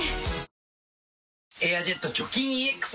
「エアジェット除菌ＥＸ」